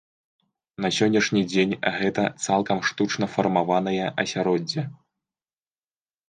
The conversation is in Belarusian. На сённяшні дзень гэта цалкам штучна фармаванае асяроддзе.